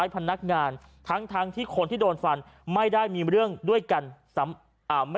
พนักงานทั้งทั้งที่คนที่โดนฟันไม่ได้มีเรื่องด้วยกัน